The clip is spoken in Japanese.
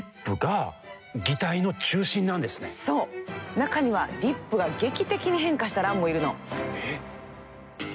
中にはリップが劇的に変化したランもいるの。